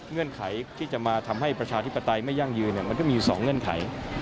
เงื่อนไขที่จะมาทำให้ประชาธิปไตยไม่ยั่งยืนมันก็มี๒เงื่อนไข